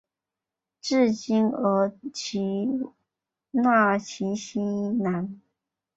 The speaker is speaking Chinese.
治今额济纳旗西南。